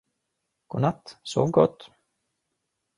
Godnatt, sov gott!